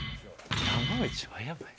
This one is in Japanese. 山内はやばい。